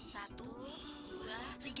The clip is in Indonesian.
satu dua tiga